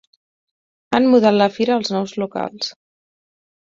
Han mudat la fira als nous locals.